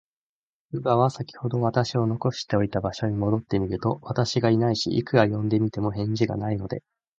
乳母は、さきほど私を残しておいた場所に戻ってみると、私がいないし、いくら呼んでみても、返事がないので、